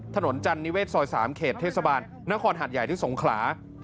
จันนิเศษซอย๓เขตเทศบาลนครหัดใหญ่ที่สงขลา